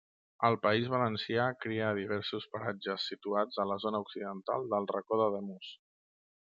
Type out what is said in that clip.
Al País Valencià cria a diversos paratges situats a la zona occidental del Racó d'Ademús.